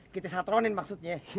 kita saturnin maksudnya